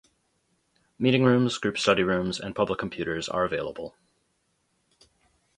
Meeting rooms, group study rooms, and public computers are available.